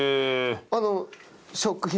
あの食品の？